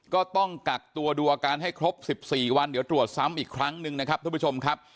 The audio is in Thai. ก็ต้องกักตัวดูอาการให้ครบ๑๔วันเดี๋ยวตรวจซ้ำอีกครั้งหนึ่งนะครับทุกผู้ชมครับ